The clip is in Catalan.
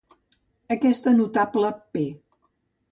Aquesta notable pe